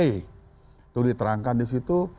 itu diterangkan di situ